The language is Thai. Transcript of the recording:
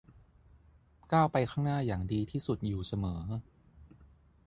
ก้าวไปข้างหน้าอย่างดีที่สุดอยู่เสมอ